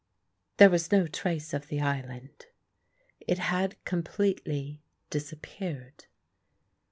There was no trace of the island. It had completely disappeared.